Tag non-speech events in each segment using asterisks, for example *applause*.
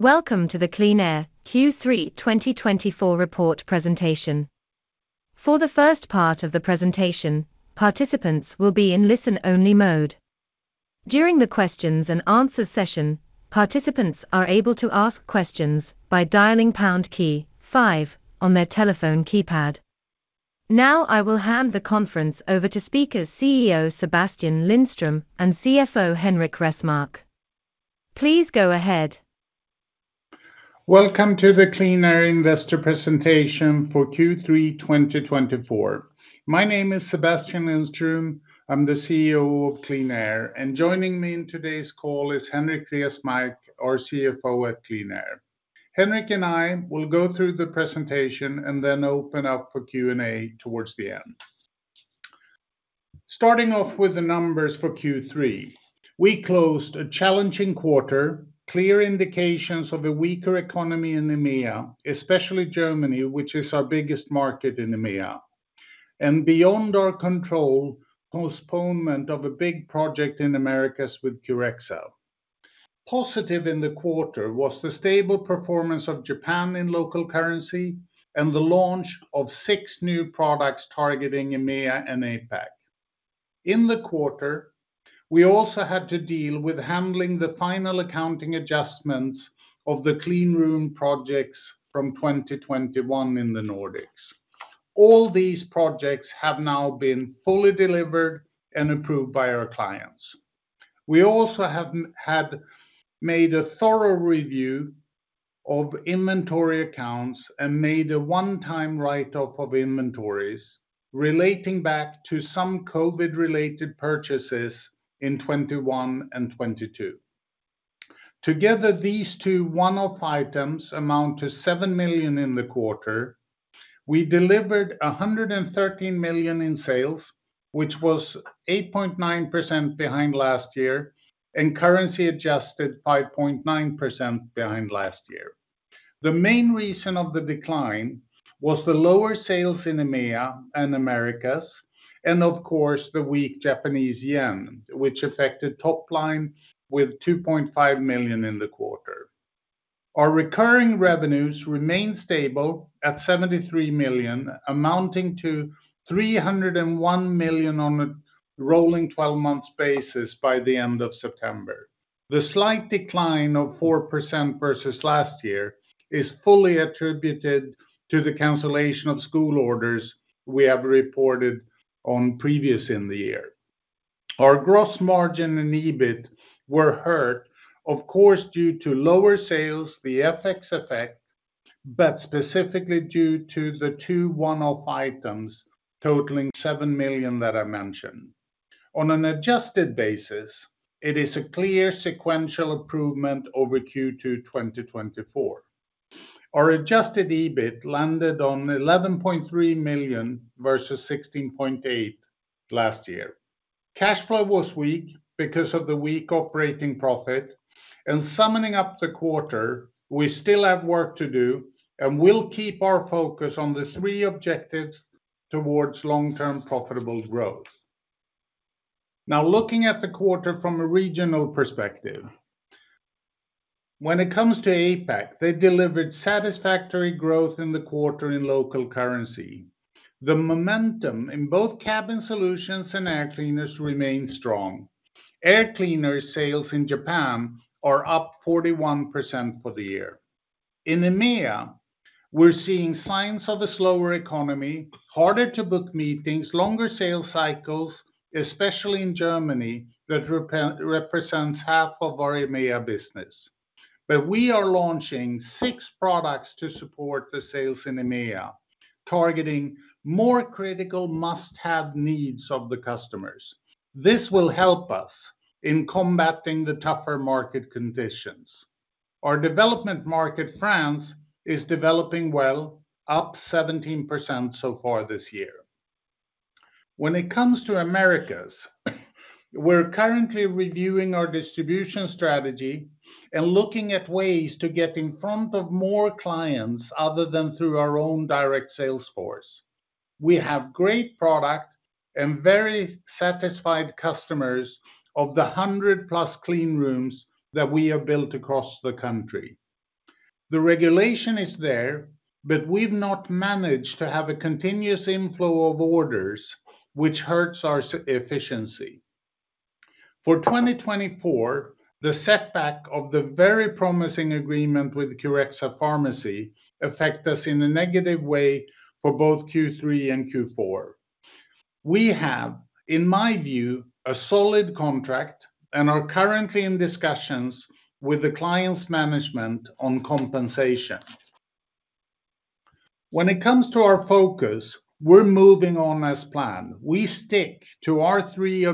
Welcome to the QleanAir Q3 2024 Report Presentation. For the first part of the presentation, participants will be in listen-only mode. During the questions-and-answers session, participants are able to ask questions by dialing pound key, five on their telephone keypad. Now I will hand the conference over to speakers, CEO, Sebastian Lindström and CFO, Henrik Resmark. Please go ahead. Welcome to the QleanAir Investor presentation for Q3 2024. My name is Sebastian Lindström, I'm the CEO of QleanAir. Joining me in today's call is Henrik Resmark, our CFO at QleanAir. Henrik and I will go through the presentation, and then open up for Q&A towards the end. Starting off with the numbers for Q3, we closed a challenging quarter, clear indications of a weaker economy in EMEA, especially Germany, which is our biggest market in EMEA. Beyond our control, postponement of a big project in Americas with CoreRx. *audio distortion* Positive in the quarter was the stable performance of Japan in local currency, and the launch of six new products targeting EMEA and APAC. In the quarter, we also had to deal with handling the final accounting adjustments of the cleanroom projects from 2021 in the Nordics. All these projects have now been fully delivered and approved by our clients. We also have had made a thorough review of inventory accounts, and made a one-time write-off of inventories, relating back to some COVID-related purchases in 2021 and 2022. Together, these two one-off items amount to 7 million in the quarter. We delivered 113 million in sales, which was 8.9% behind last year and currency adjusted 5.9% behind last year. The main reason of the decline was the lower sales in EMEA and Americas, and of course the weak Japanese yen, which affected top line, with 2.5 million in the quarter. Our recurring revenues remain stable at 73 million, amounting to 301 million on a rolling 12-months basis by the end of September. The slight decline of 4% versus last year is fully attributed to the cancellation of school orders we have reported on previously in the year. Our gross margin and EBIT were hurt of course due to lower sales, the FX effect, but specifically due to the two one-off items, totaling 7 million that I mentioned. On an adjusted basis, it is a clear sequential improvement over Q2 2024. Our adjusted EBIT landed on 11.3 million versus 16.8 million last year. Cash flow was weak because of the weak operating profit. Summing up the quarter, we still have work to do and will keep our focus on the three objectives towards long-term profitable growth. Now, looking at the quarter from a regional perspective, when it comes to APAC, they delivered satisfactory growth in the quarter in local currency. The momentum in both cabin solutions and air cleaners remains strong. Air cleaners sales in Japan are up 41% for the year. In EMEA, we're seeing signs of a slower economy, harder to book meetings, longer sales cycles, especially in Germany, that represents half of our EMEA business. We are launching six products to support the sales in EMEA, targeting more critical must-have needs of the customers. This will help us in combating the tougher market conditions. Our developing market, France is developing well up 17% so far this year. When it comes to Americas, we're currently reviewing our distribution strategy, and looking at ways to get in front of more clients other than through our own direct sales force. We have great product and very satisfied customers, of the 100+ cleanrooms that we have built across the country. The regulation is there, but we've not managed to have a continuous inflow of orders, which hurts our efficiency. For 2024, the setback of the very promising agreement with [CoreRx] affect us in a negative way for both Q3 and Q4. We have in my view a solid contract, and are currently in discussions with the client's management on compensation. When it comes to our focus, we're moving on as planned. We stick to our three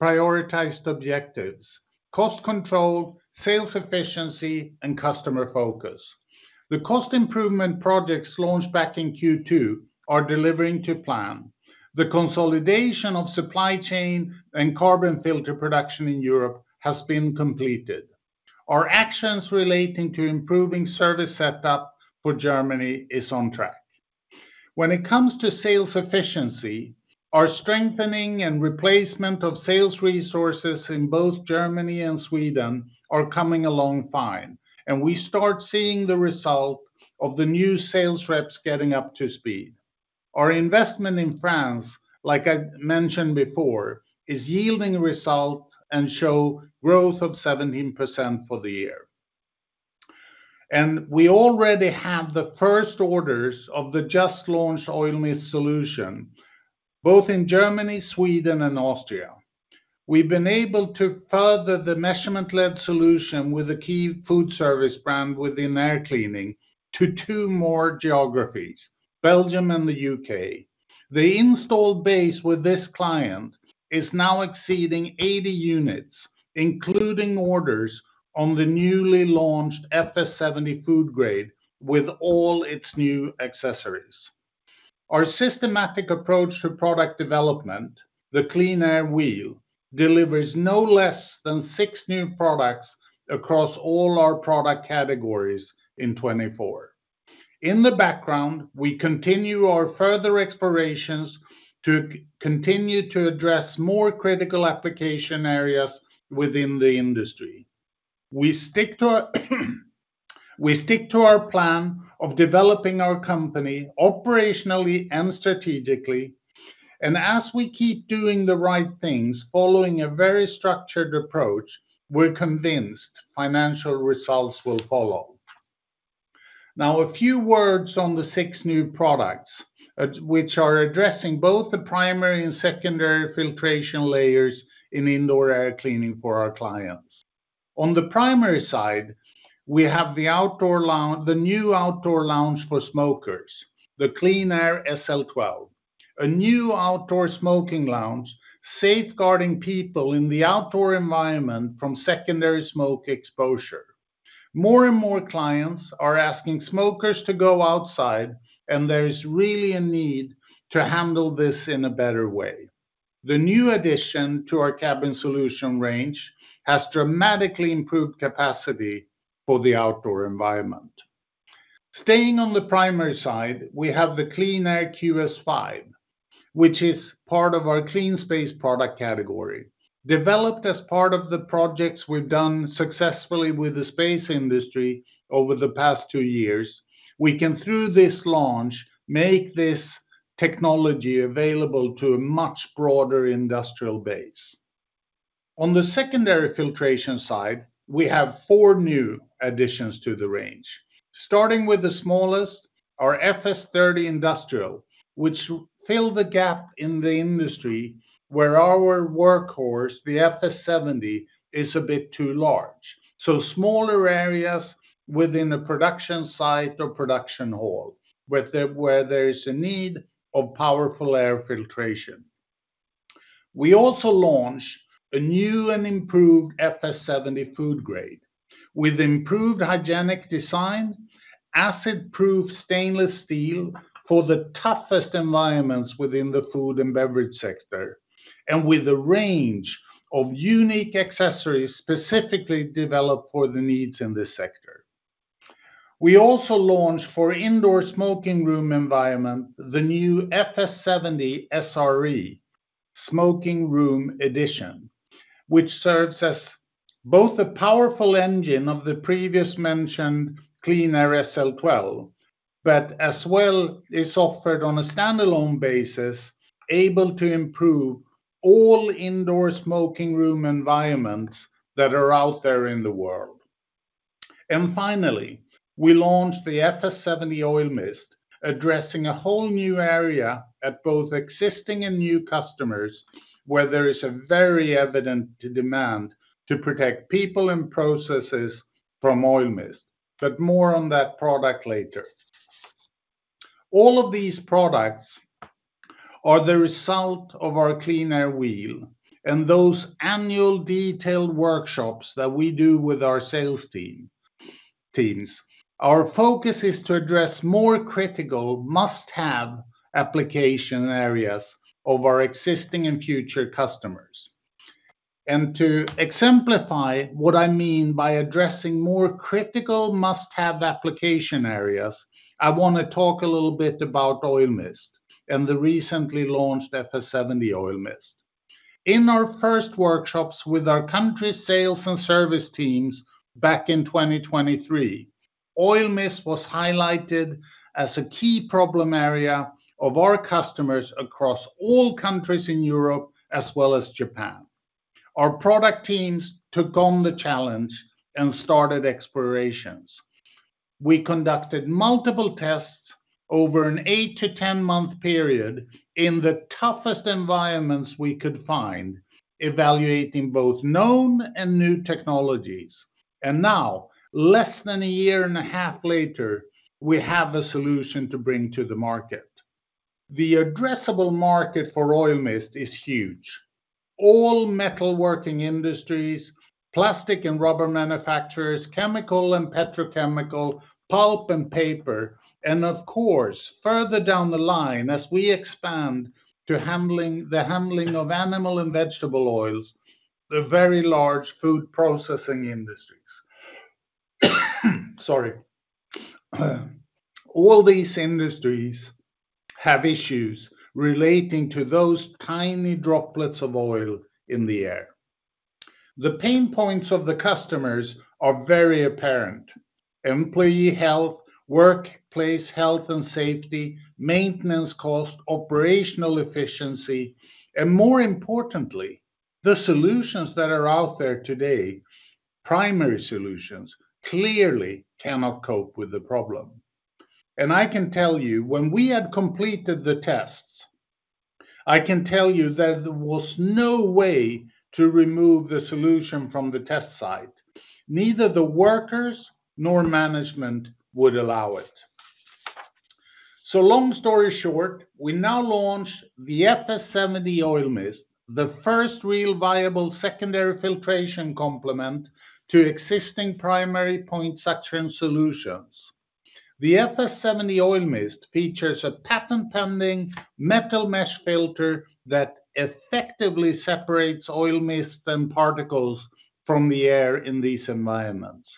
prioritized objectives, cost control, sales efficiency and customer focus. The cost improvement projects launched back in Q2 are delivering to plan. The consolidation of supply chain and carbon filter production in Europe has been completed. Our actions relating to improving service setup for Germany is on track. When it comes to sales efficiency, our strengthening and replacement of sales resources in both Germany and Sweden are coming along fine, and we start seeing the result of the new sales reps getting up to speed. Our investment in France, like I mentioned before, is yielding result and show growth of 17% for the year. We already have the first orders of the just launched oil mist solution both in Germany, Sweden and Austria. We've been able to further the measurement-led solution, with a key food service brand within air cleaning to two more geographies, Belgium and the U.K. The installed base with this client is now exceeding 80 units, including orders on the newly launched FS 70 Food Grade with all its new accessories. Our systematic approach to product development, the QleanAir Wheel, delivers no less than six new products across all our product categories in 2024. In the background, we continue our further explorations to continue to address more critical application areas within the industry. We stick to our plan of developing our company operationally and strategically. As we keep doing the right things, following a very structured approach, we're convinced financial results will follow. Now, a few words on the six new products, which are addressing both the primary and secondary filtration layers in indoor air cleaning for our clients. On the primary side, we have the new outdoor lounge for smokers, the QleanAir SL 12, a new outdoor smoking lounge safeguarding people in the outdoor environment from secondary smoke exposure. More and more clients are asking smokers to go outside, and there is really a need to handle this in a better way. The new addition to our cabin solutions range has dramatically improved capacity for the outdoor environment. Staying on the primary side, we have the QleanAir QS 5, which is part of our QleanSpace product category, developed as part of the projects we've done successfully with the space industry over the past two years. We can, through this launch, make this technology available to a much broader industrial base. On the secondary filtration side, we have four new additions to the range, starting with the smallest, our FS 30 Industrial, which fill the gap in the industry, where our workhorse, the FS 70 is a bit too large, so smaller areas within the production site or production hall where there is a need of powerful air filtration. We also launched a new and improved FS 70 Food Grade, with improved hygienic design, acid-proof stainless steel for the toughest environments within the food and beverage sector, and with a range of unique accessories specifically developed for the needs in this sector. We also launched for indoor smoking room environment, the new FS 70 SRE, Smoking Room Edition, which serves as both a powerful engine of the previously mentioned QleanAir SL 12, but as well is offered on a standalone basis, able to improve all indoor smoking room environments that are out there in the world. Finally, we launched the FS 70 Oil Mist, addressing a whole new area at both existing and new customers, where there is a very evident demand to protect people and processes from oil mist, but more on that product later. All of these products are the result of our QleanAir Wheel, and those annual detailed workshops that we do with our sales teams. Our focus is to address more critical must-have application areas of our existing and future customers. To exemplify what I mean by addressing more critical must-have application areas, I want to talk a little bit about oil mist and the recently launched FS 70 Oil Mist. In our first workshops with our country sales and service teams back in 2023, oil mist was highlighted as a key problem area of our customers across all countries in Europe, as well as Japan. Our product teams took on the challenge and started explorations. We conducted multiple tests over an eight to 10-month period in the toughest environments we could find, evaluating both known and new technologies. Now, less than a year and a half later, we have a solution to bring to the market. The addressable market for oil mist is huge. All metalworking industries, plastic and rubber manufacturers, chemical and petrochemical, pulp and paper, and of course further down the line as we expand to the handling of animal and vegetable oils, the very large food processing industries. Sorry, all these industries have issues relating to those tiny droplets of oil in the air. The pain points of the customers are very apparent. Employee health, workplace health and safety, maintenance cost, operational efficiency and more importantly, the solutions that are out there today, primary solutions clearly cannot cope with the problem. When we had completed the tests, I can tell you that there was no way to remove the solution from the test site. Neither the workers nor management would allow it. Long story short, we now launch the FS 70 Oil Mist, the first real viable secondary filtration complement to existing primary point suction solutions. The FS 70 Oil Mist features a patent-pending metal mesh filter that effectively separates oil mist, and particles from the air in these environments.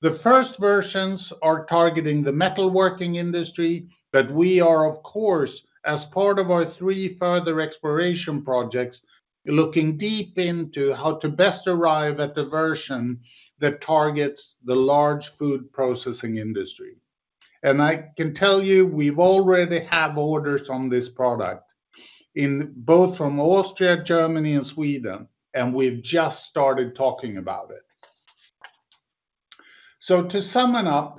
The first versions are targeting the metalworking industry, but we are of course, as part of our three further exploration projects, looking deep into how to best arrive at the version that targets the large food processing industry. I can tell you we've already have orders on this product both from Austria, Germany and Sweden, and we've just started talking about it. To sum up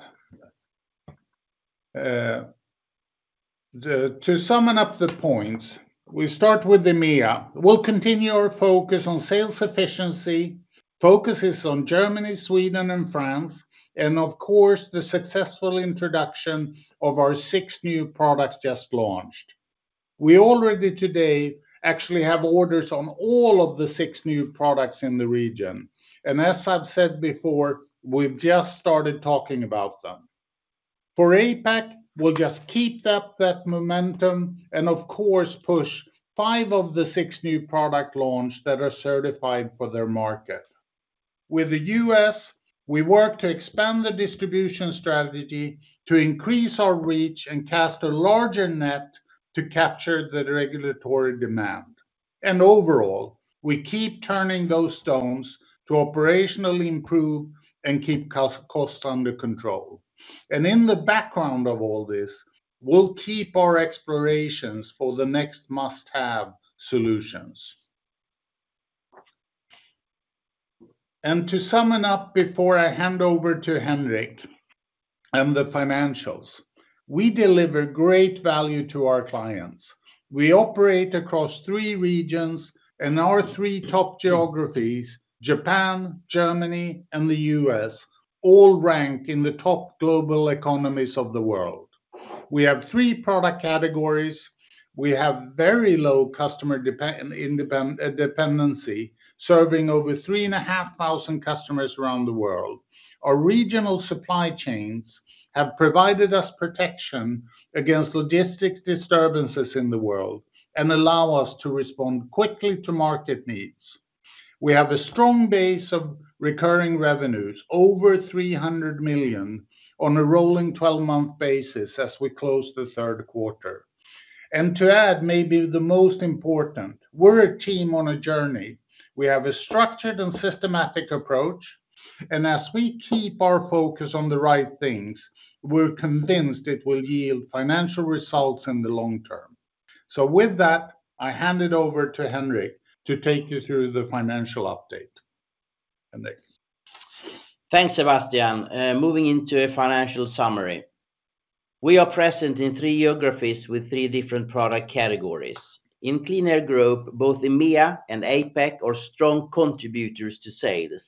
the points, we start with EMEA. We'll continue our focus on sales efficiency, focuses on Germany, Sweden and France, and of course, the successful introduction of our six new products just launched. We already today actually have orders on all of the six new products in the region. As I've said before, we've just started talking about them. For APAC, we'll just keep up that momentum, and of course push five of the six new product launch that are certified for their market. With the U.S., we work to expand the distribution strategy to increase our reach, and cast a larger net to capture the regulatory demand. Overall, we keep turning those stones to operationally improve and keep cost under control. In the background of all this, we'll keep our explorations for the next must-have solutions. To sum it up, before I hand over to Henrik and the financials, we deliver great value to our clients. We operate across three regions and our three top geographies, Japan, Germany, and the U.S. all ranked in the top global economies of the world. We have three product categories. We have very low customer dependency, serving over 3,500 customers around the world. Our regional supply chains have provided us protection against logistics disturbances in the world, and allow us to respond quickly to market needs. We have a strong base of recurring revenues, over 300 million on a rolling 12-month basis, as we close the third quarter. To add, maybe the most important, we're a team on a journey. We have a structured and systematic approach. As we keep our focus on the right things, we're convinced it will yield financial results in the long term. With that, I hand it over to Henrik to take you through the financial update. Henrik. Thanks, Sebastian. Moving into a financial summary, we are present in three geographies with three different product categories. In QleanAir Group, both EMEA and APAC are strong contributors to sales,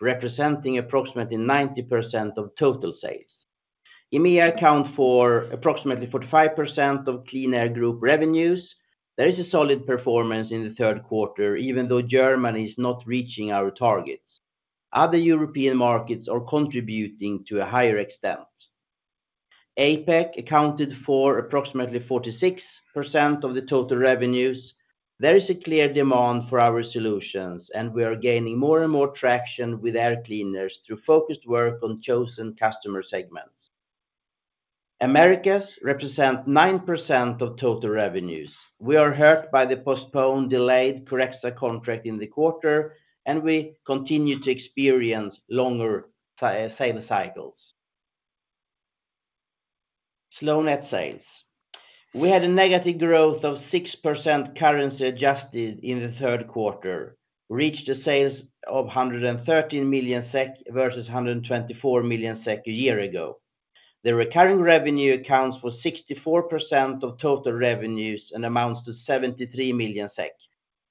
representing approximately 90% of total sales. EMEA accounts for approximately 45% of QleanAir Group revenues. There is a solid performance in the third quarter, even though Germany is not reaching our targets. Other European markets are contributing to a higher extent. APAC accounted for approximately 46% of the total revenues. There is a clear demand for our solutions, and we are gaining more and more traction with air cleaners through focused work on chosen customer segments. Americas represent 9% of total revenues. We are hurt by the postponed, delayed CoreRx contract in the quarter, and we continue to experience longer sales cycles. Slow net sales, we had a negative growth of 6%. Currency adjusted in the third quarter reached the sales of 113 million SEK versus 124 million SEK a year ago. The recurring revenue accounts for 64% of total revenues, and amounts to 73 million SEK.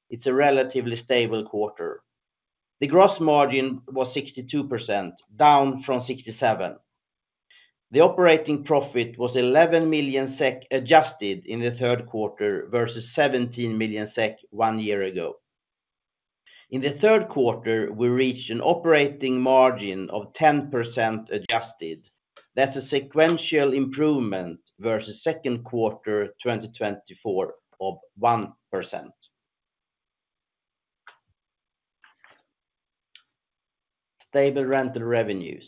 It's a relatively stable quarter. The gross margin was 62%, down from 67%. The operating profit was 11 million SEK adjusted in the third quarter, versus 17 million SEK one year ago. In the third quarter, we reached an operating margin of 10% adjusted. That's a sequential improvement versus second quarter 2024, of 1%. Stable rental revenues,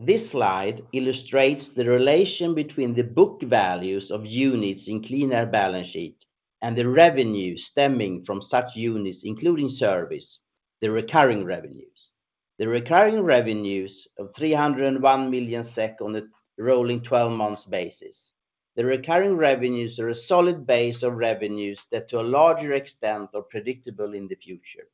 this slide illustrates the relation between the book values of units in QleanAir balance sheet, and the revenue stemming from such units, including service. The recurring revenues, the recurring revenues of 301 million SEK on a rolling 12 months basis. The recurring revenues are a solid base of revenues that to a larger extent, are predictable in the future.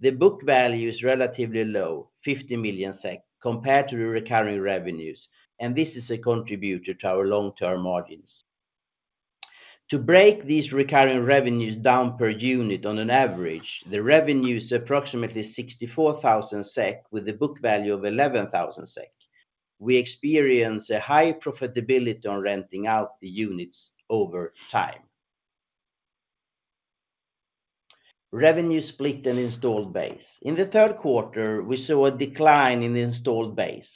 The book value is relatively low, 50 million SEK compared to the recurring revenues, and this is a contributor to our long-term margins. To break these recurring revenues down per unit, on an average, the revenue is approximately 64,000 SEK, with the book value of 11,000 SEK. We experienced a high profitability on renting out the units over time. Revenue split and installed base, in the third quarter, we saw a decline in the installed base.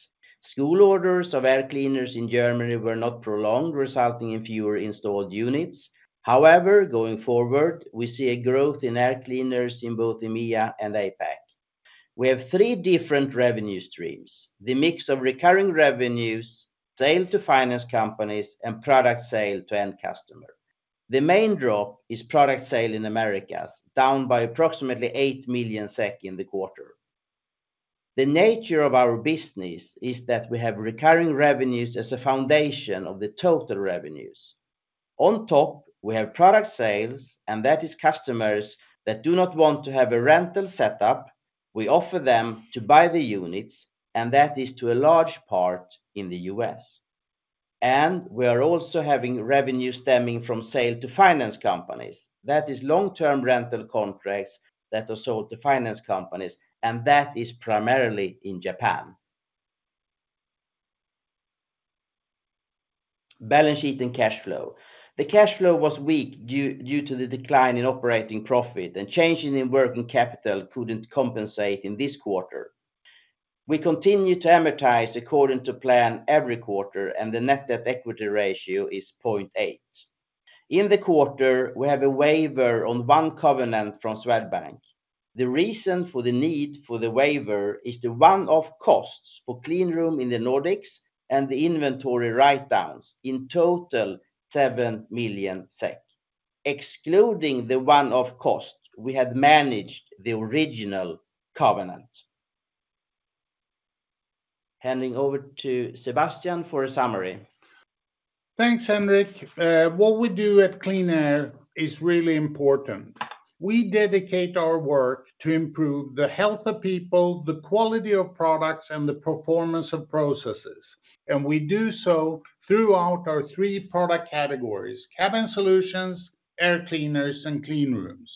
School orders of air cleaners in Germany were not prolonged, resulting in fewer installed units. However, going forward, we see a growth in air cleaners. In both EMEA and APAC. We have three different revenue streams, the mix of recurring revenues, sales to finance companies and product sale to end customer. The main drop is product sales in Americas, down by approximately 8 million SEK in the quarter. The nature of our business is that we have recurring revenues as a foundation of the total revenues. On top, we have product sales, and that is customers that do not want to have a rental setup. We offer them to buy the units, and that is to a large part in the U.S. We are also having revenue stemming from sale to finance companies, that is long-term rental contracts that are sold to finance companies and that is primarily in Japan. Balance sheet and cash flow, the cash flow was weak due to the decline in operating profit and changes in working capital couldn't compensate in this quarter. We continue to amortize according to plan every quarter, and the net debt/equity ratio is 0.8. In the quarter, we have a waiver on one covenant from Swedbank. The reason for the need for the waiver is the one-off costs for cleanroom in the Nordics, and the inventory write-downs, in total, 7 million. Excluding the one-off cost, we had managed the original covenant. Handing over to Sebastian for a summary. Thanks, Henrik. What we do at QleanAir is really important. We dedicate our work to improve the health of people, the quality of products and the performance of processes. We do so throughout our three product categories, cabin solutions, air cleaners and cleanrooms.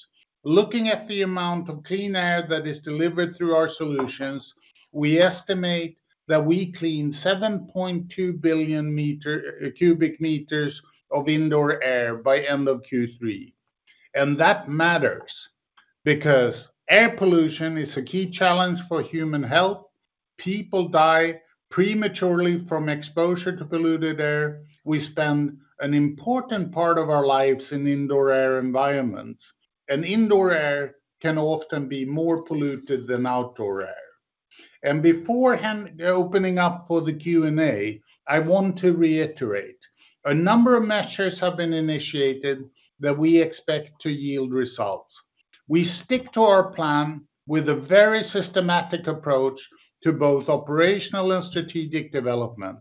Looking at the amount of clean air that is delivered through our solutions, we estimate that we clean 7.2 billion m³ of indoor air by end of Q3. That matters because air pollution is a key challenge for human health. People die prematurely from exposure to polluted air. We spend an important part of our lives in indoor air environments, and indoor air can often be more polluted than outdoor air. Before opening up for the Q&A, I want to reiterate, a number of measures have been initiated that we expect to yield results. We stick to our plan, with a very systematic approach to both operational and strategic development.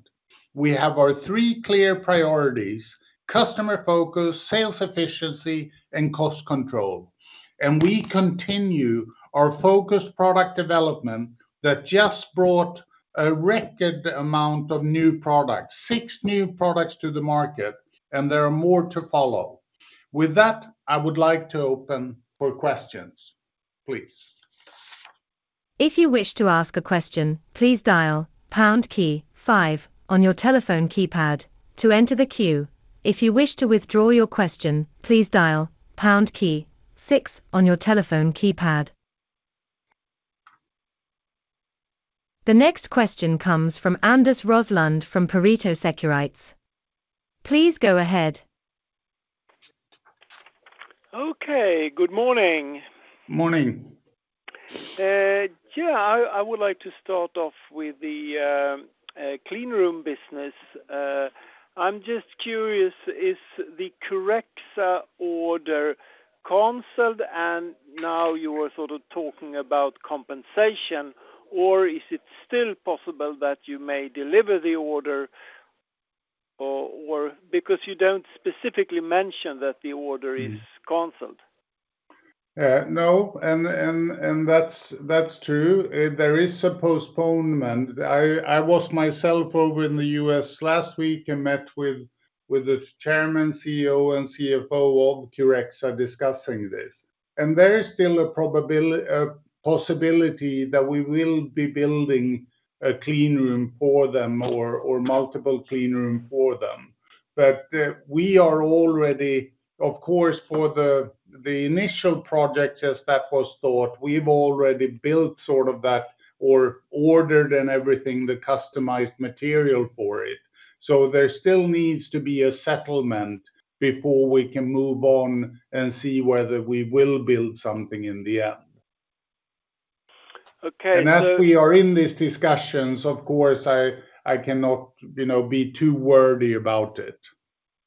We have our three clear priorities, customer focus, sales efficiency, and cost control. We continue our focused product development that just brought a record amount of new products, six new products to the market and there are more to follow. With that, I would like to open for questions, please. If you wish to ask a question, please dial pound key, five on your telephone keypad to enter the queue. If you wish to withdraw your question, please dial pound key, six on your telephone keypad. The next question comes from Anders Roslund from Pareto Securities. Please go ahead. Okay. Good morning. Morning. Yeah, I would like to start off with the cleanroom business. I'm just curious, is the correct order cancelled and now you are sort of talking about compensation, or is it still possible that you may deliver the order, because you don't specifically mention that the order is cancelled? No, and that's true. There is a postponement. I was myself over in the U.S. last week, and met with the Chairman, CEO, and CFO of CoreRx discussing this. There is still a possibility that we will be building a cleanroom for them or multiple cleanrooms for them. We are already, of course for the initial project, as that was thought, we've already built sort of that or ordered and everything, the customized material for it. There still needs to be a settlement before we can move on, and see whether we will build something in the end. Okay. As we are in these discussions, of course I cannot be too wordy about it,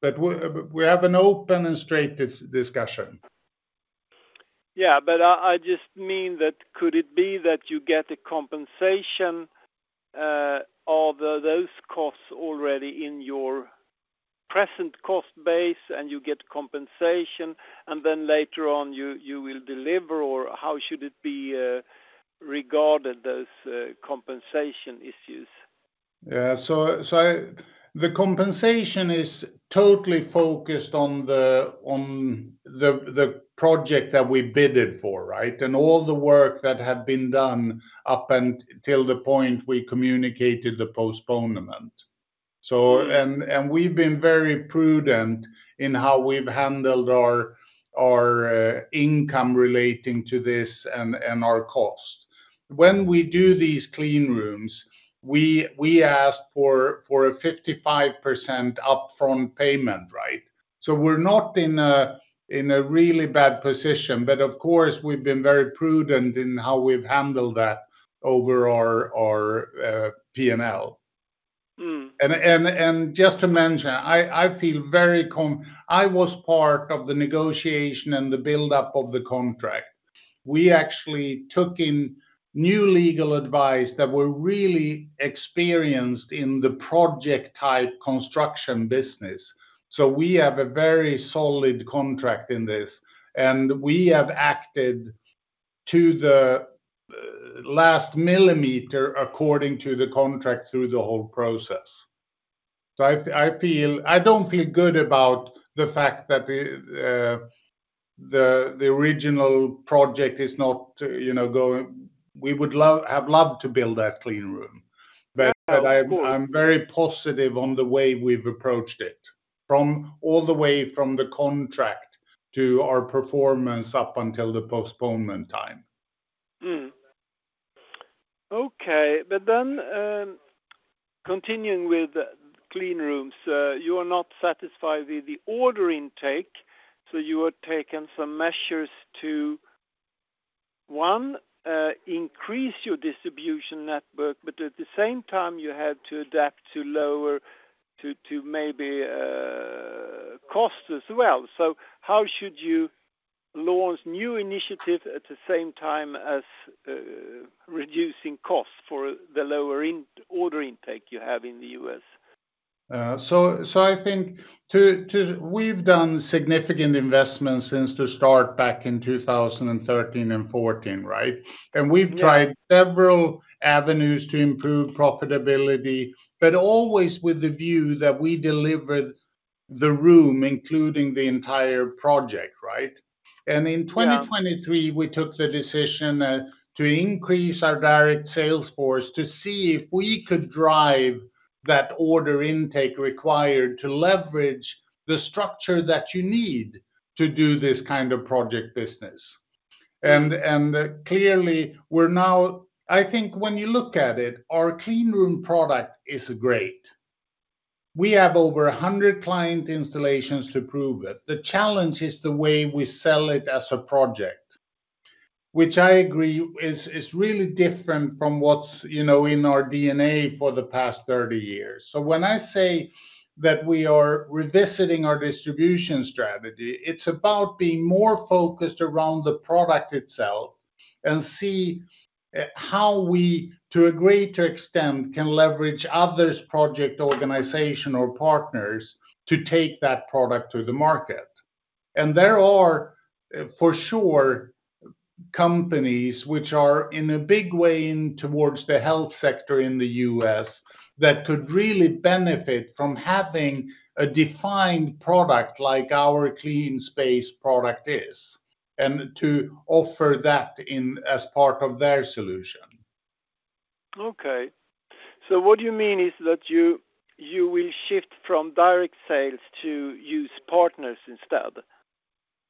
but we have an open and straight discussion. Yeah, but I just mean that, could it be that you get a compensation of those costs already in your present cost base and you get compensation, and then later on you will deliver or how should it be regarded as compensation issues? The compensation is totally focused on the project that we bid for. Right, and all the work that had been done up until the point we communicated the postponement. We've been very prudent in how we've handled our income relating to this and our cost. When we do these clean rooms, we ask for a 55% upfront payment. Right, so we're not in a really bad position, but of course we've been very prudent in how we've handled that over our P&L. Just to mention, I was part of the negotiation and the buildup of the contract. We actually took in new legal advice that were really experienced in the project-type construction business. We have a very solid contract in this, and we have acted to the last millimeter according to the contract through the whole process. I don't feel good about the fact that the original project is no going. We would have loved to build that cleanroom, but I'm very positive on the way we've approached it, all the way from the contract to our performance up until the postponement time. Okay. Then continuing with cleanrooms, you are not satisfied with the order intake, so you are taking some measures to one, increase your distribution network. At the same time, you have to adapt to lower maybe cost as well. How should you launch new initiatives at the same time as reducing costs for the lower order intake you have in the U.S.? I think we've done significant investments since the start back in 2013 and 2014. Right, and we've tried several avenues to improve profitability, but always with the view that we delivered the room, including the entire project. Right, and in 2023, we took the decision to increase our direct sales force, to see if we could drive that order intake required to leverage the structure that you need to do this kind of project business. Clearly, now I think when you look at it, our cleanroom product is great. We have over 100 client installations to prove it. The challenge is the way we sell it as a project, which I agree is really different from what's in our DNA for the past 30 years. When I say that we are revisiting our distribution strategy, it's about being more focused around the product itself and see how we, to a greater extent, can leverage other project organization or partners to take that product to the market. There are for sure companies which are in a big way in towards the health sector in the U.S., that could really benefit from having a defined product like our QleanSpace product is, and to offer that as part of their solution. Okay, so what you mean is that you will shift from direct sales to use partners instead?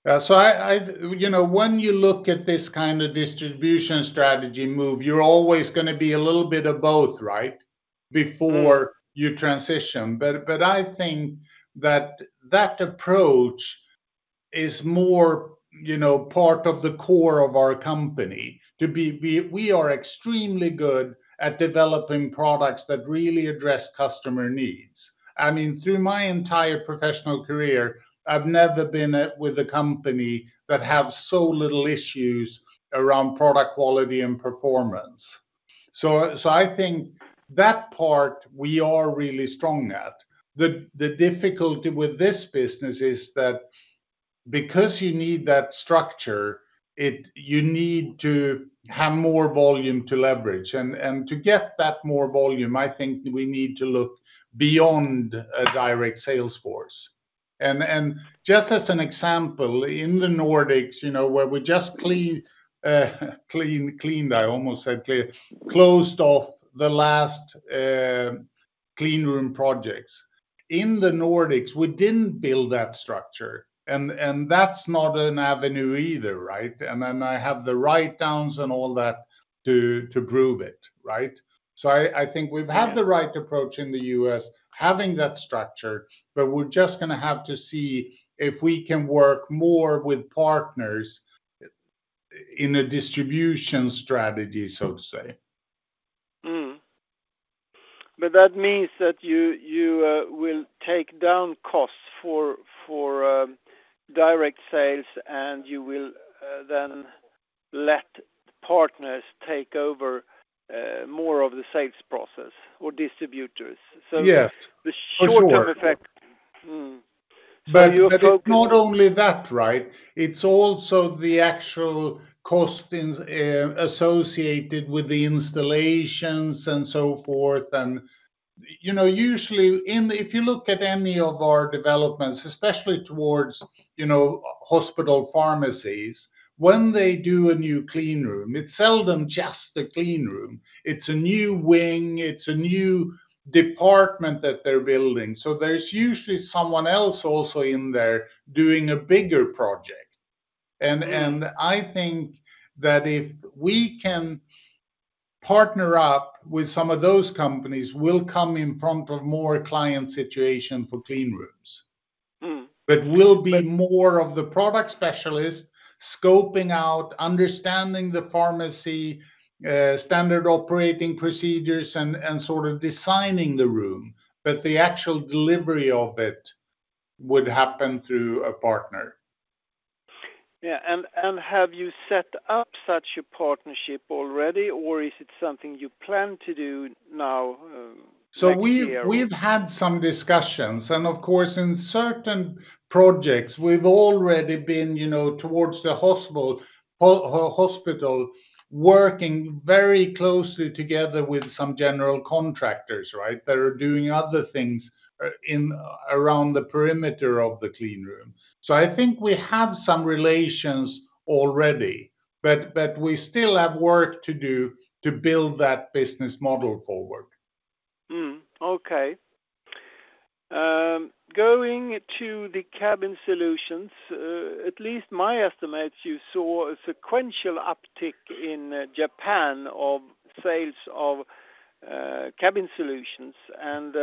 When you look at this kind of distribution strategy move, you're always going to be a little bit of both before you transition. I think that that approach is more part of the core of our company. We are extremely good at developing products that really address customer needs. I mean, through my entire professional career, I've never been with a company that have so little issues around product quality and performance. I think that part, we are really strong at. The difficulty with this business is that because you need that structure, you need to have more volume to leverage. To get that more volume, I think we need to look beyond a direct sales force. Just as an example in the Nordics, where we just closed off the last cleanroom projects, in the Nordics, we didn't build that structure and that's not an avenue either. Right, and then I have the write-downs and all that to prove it. Right, so I think we've had the right approach in the U.S., having that structure, but we're just going to have to see if we can work more with partners in a distribution strategy, so to say. That means that you will take down costs for direct sales, and you will then let partners take over more of the sales process or distributors, so the short-term effect. Sure, but not only that. Right, it's also the actual cost associated with the installations and so forth. Usually, if you look at any of our developments, especially toward, you know, hospital pharmacies, when they do a new cleanroom, it's seldom just a cleanroom. It's a new wing, it's a new department that they're building. There's usually someone else also in there doing a bigger project. I think that if we can partner up with some of those companies, we'll come in front of more client situations for cleanrooms. We'll be more of the product specialist, scoping out, understanding the pharmacy standard operating procedures and sort of designing the room. The actual delivery of it would happen through a partner. Yeah. Have you set up such a partnership already or is it something you plan to do now? *audio distortion* We've had some discussions. Of course in certain projects, we've already been towards the hospital, working very closely together with some general contractors that are doing other things around the perimeter of the cleanrooms. I think we have some relations already, but we still have work to do to build that business model forward. Okay. Going to the cabin solutions, at least my estimates, you saw sequential uptick in Japan of sales of cabin solutions and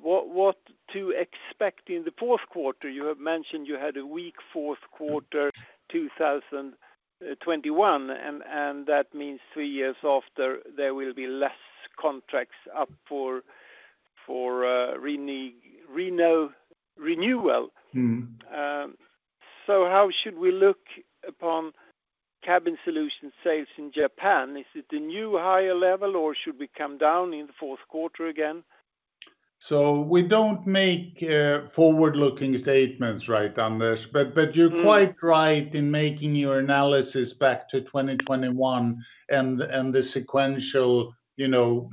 what to expect in the fourth quarter. You have mentioned you had a weak fourth quarter 2021, and that means three years after, there will be less contracts up for renewal. How should we look upon cabin solutions sales in Japan? Is it a new higher level, or should we come down in the fourth quarter again? We don't make forward-looking statements on this. You're quite right in making your analysis back to 2021 and the sequential, you know,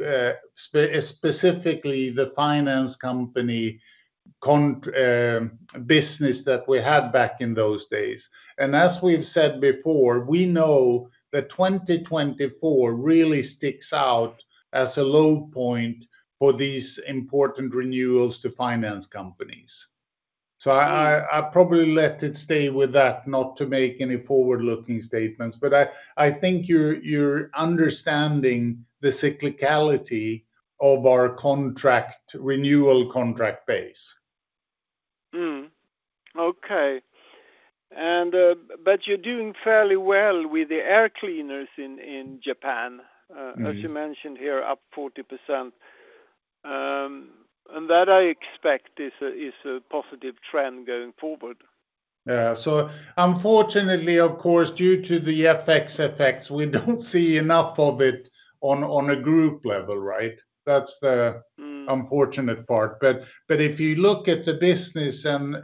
specifically the finance company business that we had back in those days. As we've said before, we know that 2024 really sticks out as a low point for these important renewals to finance companies. I probably let it stay with that, not to make any forward-looking statements, but I think you're understanding the cyclicality of our renewal contract base. Okay. You're doing fairly well with the air cleaners in Japan, as you mentioned here, up 40% and that I expect is a positive trend going forward. Unfortunately, of course, due to the FX effects, we don't see enough of it on a group level. Right, that's the unfortunate part. If you look at the business and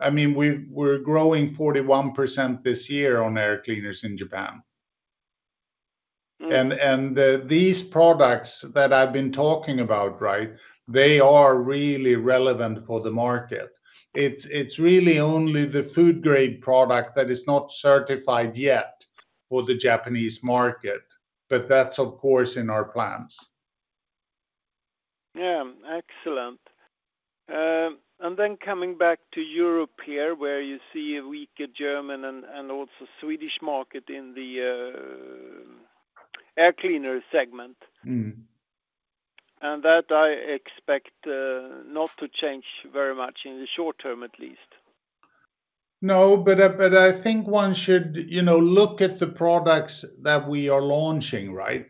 I mean, we're growing 41% this year on air cleaners in Japan, and these products that I've been talking about, they are really relevant for the market. It's really only the food-grade product that is not certified yet for the Japanese market, but that's of course in our plans. Yeah, excellent. Then coming back to Europe here, where you see a weaker German and also Swedish market in the air cleaner segment, and that I expect not to change very much in the short term at least. No, but I think one should look at the products that we are launching. Right,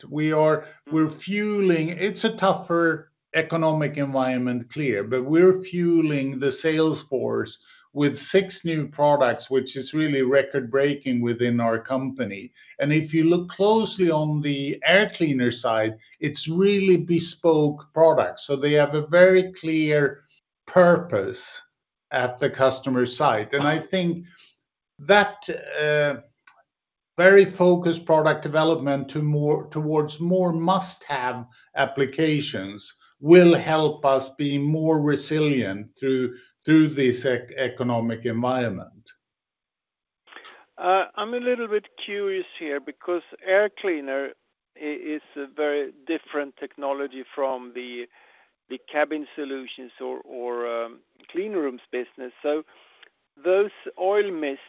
it's a tougher economic environment, clear, but we're fueling the sales force with six new products, which is really record-breaking within our company. If you look closely on the air cleaner side, it's really bespoke products. They have a very clear purpose at the customer site. I think that very focused product development towards more must-have applications will help us be more resilient to this economic environment. I'm a little bit curious here, because air cleaner is a very different technology from the cabin solutions or cleanrooms business. Those oil mist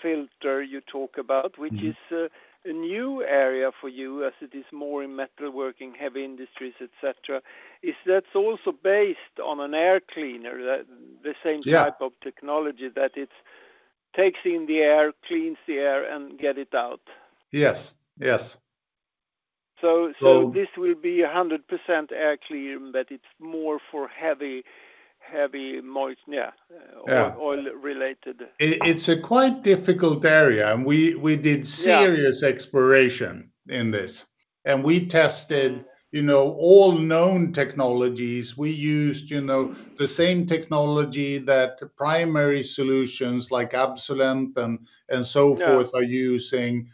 filter you talk about, which is a new area for you as it is more in metal working, heavy industries, etc, is that also based on an air cleaner? The same type of technology that it takes in the air, cleans the air and get it out. Yes. This will be 100% air clean, but it's more for heavy, heavy moisture, oil related. It's a quite difficult area, and we did serious exploration in this and we tested all known technologies. We used the same technology that primary solutions like Absolent and so forth are using.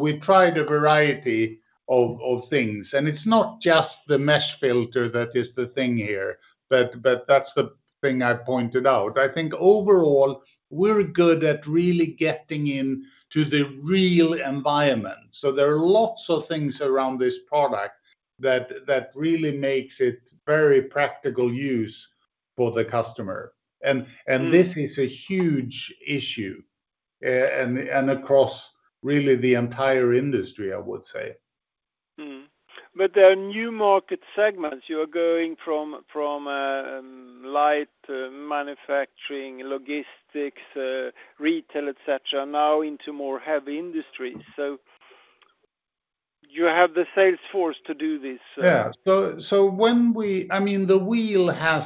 We tried a variety of things and it's not just the mesh filter that is the thing here, but that's the thing I pointed out. I think overall, we're good at really getting into the real environment, so there are lots of things around this product that really makes it very practical use for the customer. This is a huge issue, and across really the entire industry I would say. There are new market segments. You are going from light manufacturing, logistics, retail, etc. Now into more heavy industries, so you have the sales force to do this. Yeah. I mean, the wheel has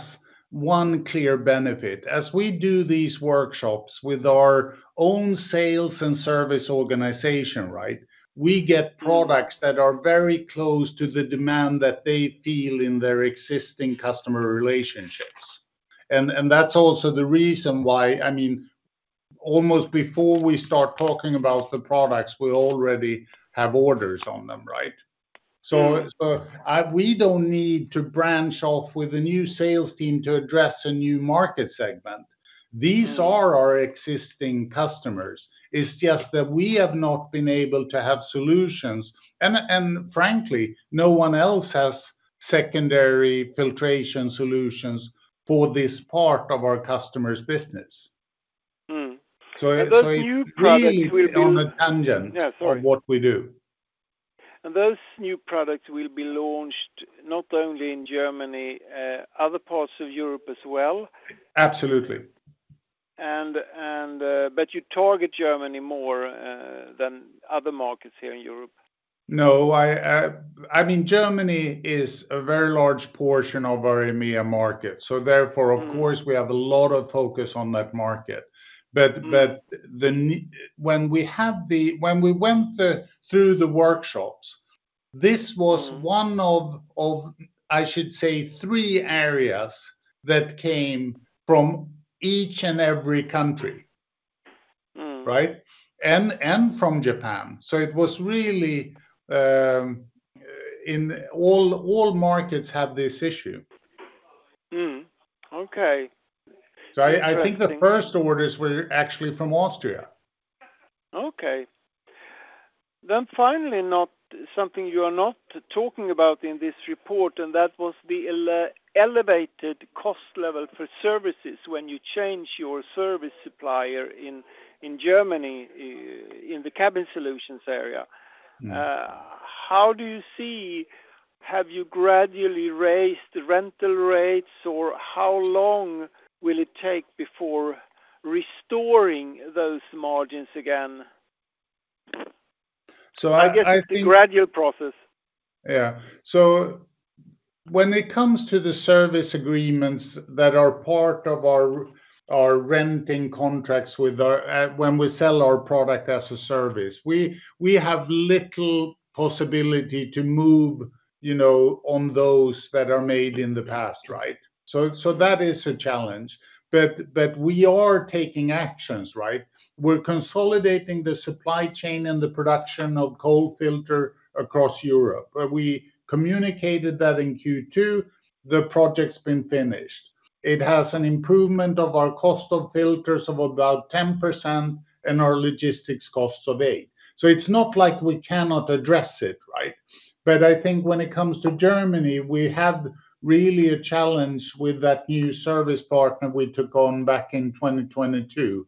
one clear benefit. As we do these workshops with our own sales and service organization, we get products that are very close to the demand that they feel in their existing customer relationships. That's also the reason why, I mean, almost before we start talking about the products, we already have orders on them. We don't need to branch off with a new sales team to address a new market segment. These are our existing customers. It's just that we have not been able to have solutions. Frankly, no one else has secondary filtration solutions for this part of our customers' business. *audio distortion* on a tangent of what we do. Those new products will be launched not only in Germany, other parts of Europe as well? Absolutely. You target Germany more than other markets here in Europe? No, I mean, Germany is a very large portion of our EMEA market. Therefore, of course, we have a lot of focus on that market. When we went through the workshops, this was one of, I should say, three areas that came from each and every country and from Japan, so it was really, all markets had this issue. Okay. I think the first orders were actually from Austria. Okay. Then finally, something you are not talking about in this report, and that was the elevated cost level for services. When you change your service supplier in Germany in the cabin solutions area, have you gradually raised rental rates or how long will it take before restoring those margins again? *audio distortion* the gradual process. Yeah. When it comes to the service agreements that are part of our renting contracts, when we sell our product as a service, we have little possibility to move, you know, on those that are made in the past. Right, so that is a challenge, but we are taking actions. Right, we're consolidating the supply chain and the production of [coal] filter across Europe. We communicated that in Q2, the project's been finished. It has an improvement of our cost of filters of about 10%, and our logistics costs of 8%. It's not like we cannot address it. I think when it comes to Germany, we had really a challenge with that new service partner we took on back in 2022.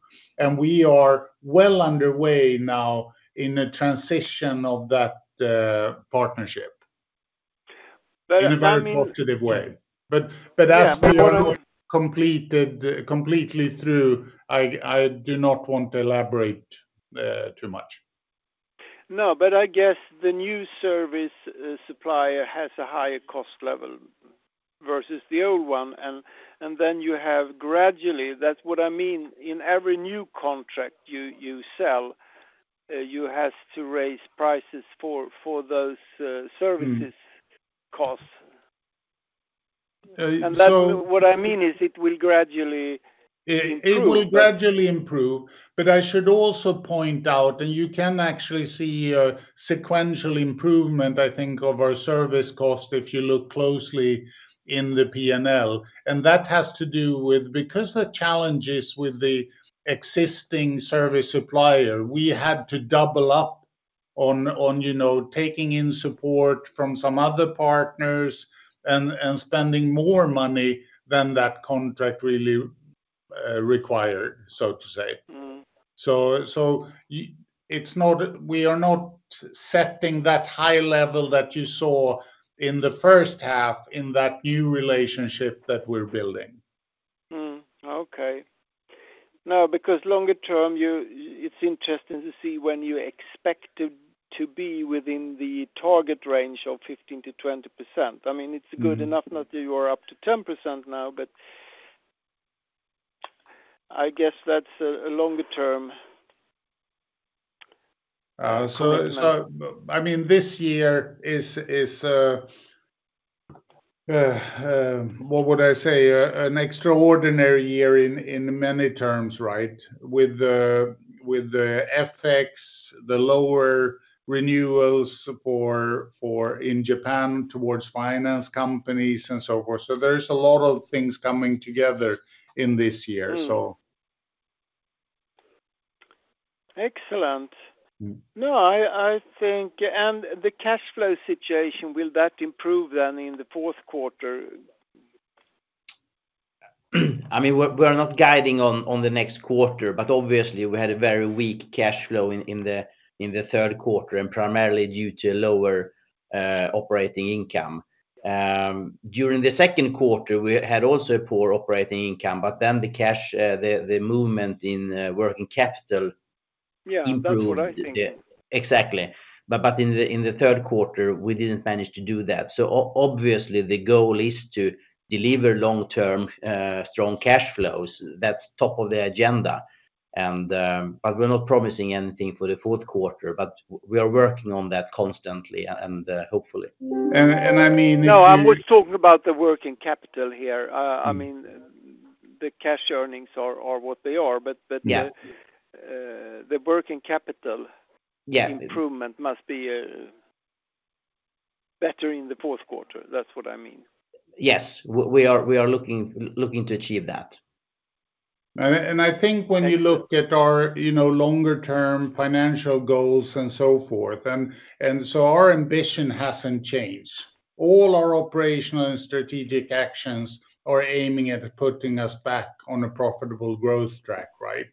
We are well underway now in the transition of that partnership in a very positive way. As we are completely through, I do not want to elaborate too much. No. I guess the new service supplier has a higher cost level versus the old one. Then you have gradually, that's what I mean, in every new contract you sell, you have to raise prices for those services costs. What I mean is it will gradually improve. It will gradually improve. I should also point out, and you can actually see a sequential improvement, I think, of our service cost if you look closely in the P&L. That has to do with the challenges with the existing service supplier. We had to double up on taking in support from some other partners and spending more money than that contract really required, so to say. We are not setting that high level that you saw in the first half in that new relationship that we're building. Okay. Now, because longer term, it's interesting to see when you expect to be within the target range of 15%-20%. I mean, it's good enough. Not that you are up to 10% now, but I guess that's longer-term. This year is, what would I say? An extraordinary year in many terms. Right, with the FX, the lower renewals in Japan towards finance companies and so forth, so there's a lot of things coming together in this year. Excellent. No, and the cash flow situation, will that improve then in the fourth quarter? I mean, we're not guiding on the next quarter, but obviously we had a very weak cash flow in the third quarter and primarily due to lower operating income. During the second quarter, we had also poor operating income. Then the movement in working capital improved. Yeah. *audio distortion* Exactly, but in the third quarter, we didn't manage to do that. Obviously, the goal is to deliver long term strong cash flows. That's top of the agenda, but we're not promising anything for the fourth quarter. We are working on that constantly and hopefully. No, I'm talking about the working capital here. I mean, the cash earnings are what they are, but the working capital improvement must be better in the fourth quarter. That's what I mean. Yes, we are looking to achieve that. I think when you look at our longer-term financial goals and so forth, and so our ambition hasn't changed, all our operational and strategic actions are aiming at putting us back on a profitable growth track. Right,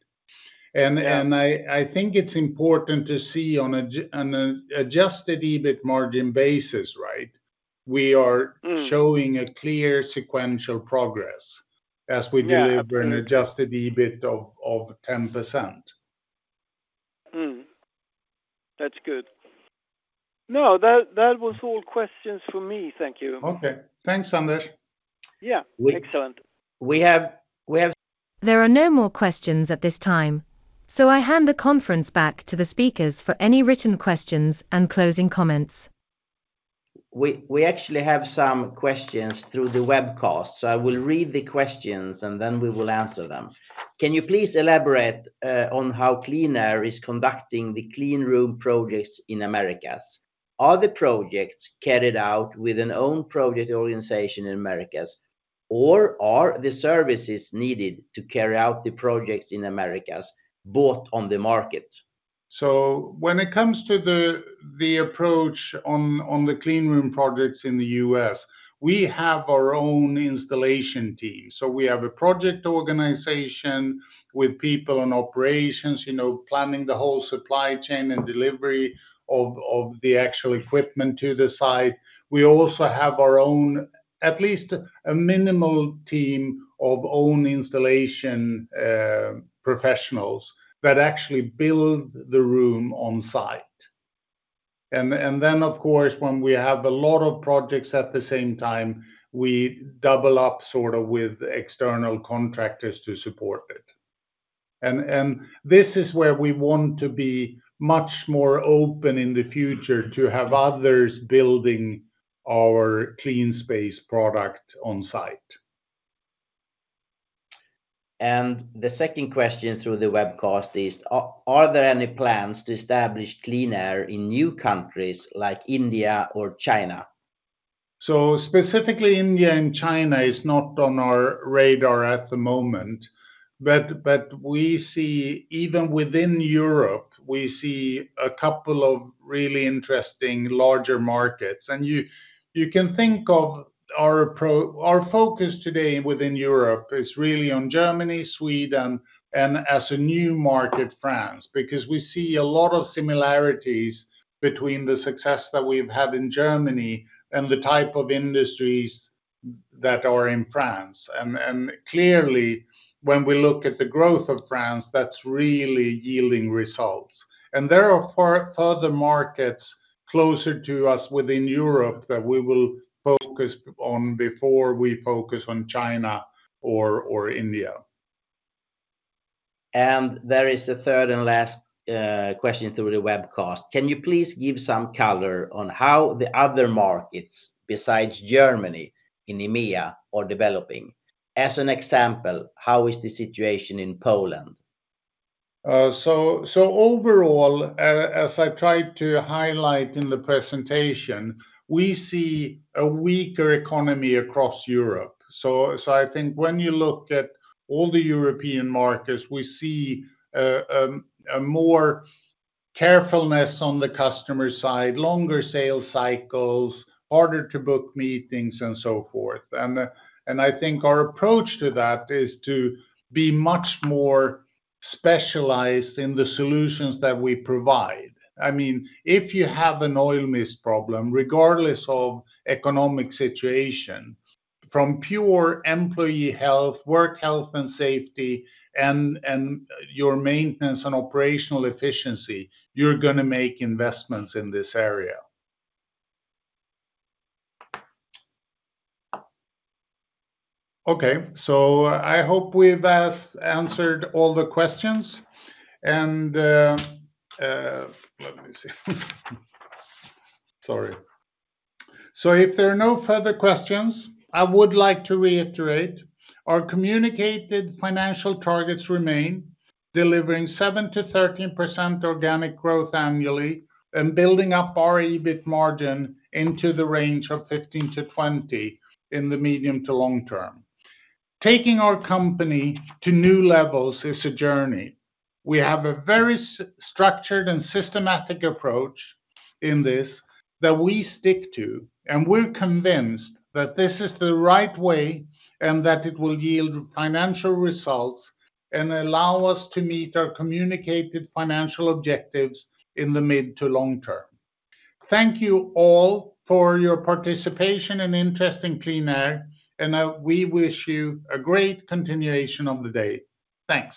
andI think it's important to see on an adjusted EBIT margin basis, we are showing a clear sequential progress as we deliver an adjusted EBIT of 10%. That's good. No, that was all the questions for me. Thank you. Okay. Thanks, Anders. Yeah, excellent. There are no more questions at this time. I hand the conference back to the speakers for any written questions and closing comments. We actually have some questions through the webcast, so I will read the questions and then we will answer them. Can you please elaborate on how QleanAir is conducting the cleanroom projects in Americas? Are the projects carried out with an own project organization in Americas, or are the services needed to carry out the projects in Americas bought on the market? When it comes to the approach on the cleanroom projects in the U.S., we have our own installation team. We have a project organization with people on operations, planning the whole supply chain and delivery of the actual equipment to the site. We also have our own, at least a minimal team of own installation professionals that actually build the room on site. Then of course, when we have a lot of projects at the same time, we double up sort of with external contractors to support it. This is where we want to be much more open in the future, to have others building our QleanSpace product on-site. The second question through the webcast is, are there any plans to establish QleanAir in new countries like India or China? Specifically India and China is not on our radar at the moment. Even within Europe, we see a couple of really interesting larger markets. You can think of, our focus today within Europe is really on Germany, Sweden and as a new market, France. We see a lot of similarities between the success that we've had in Germany, and the type of industries that are in France. Clearly, when we look at the growth of France, that's really yielding results. There are further markets closer to us within Europe, that we will focus on before we focus on China or India. There is a third and last question through the webcast. Can you please give some color on how the other markets besides Germany in EMEA are developing? As an example, how is the situation in Poland? Overall, as I tried to highlight in the presentation, we see a weaker economy across Europe. I think when you look at all the European markets, we see more carefulness on the customer side, longer sales cycles, harder to book meetings and so forth. I think our approach to that is to be much more specialized in the solutions that we provide. I mean, if you have an oil mist problem, regardless of economic situations, from pure employee health, work health and safety, and your maintenance and operational efficiency, you're going to make investments in this area. Okay, so I hope we've answered all the questions. Let me see, sorry. If there are no further questions, I would like to reiterate, our communicated financial targets remain, delivering 7%-13% organic growth annually and building up our EBIT margin into the range of 15%-20% in the medium to long term. Taking our company to new levels is a journey. We have a very structured and systematic approach in this that we stick to, and we're convinced that this is the right way and that it will yield financial results, and allow us to meet our communicated financial objectives in the mid to long term. Thank you all for your participation and interest in QleanAir, and we wish you a great continuation of the day. Thanks.